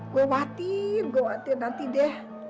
gue khawatir nanti deh